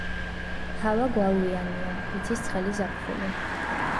ჰავა გვალვიანია, იცის ცხელი ზაფხული.